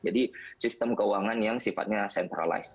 jadi sistem keuangan yang sifatnya centralized